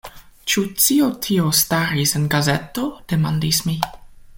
Ĉu cio tio staris en gazeto? demandis mi.